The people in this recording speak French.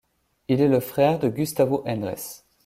Il est le frère de Gustavo Endres.